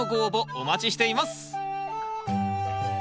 お待ちしています